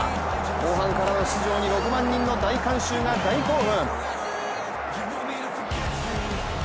後半からの出場に６万人の大観衆が、大興奮。